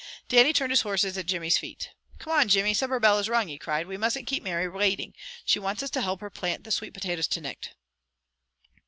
Dannie turned his horses at Jimmy's feet. "Come on, Jimmy, supper bell has rung," he cried. "We mustn't keep Mary waiting. She wants us to help her plant the sweet potatoes to nicht."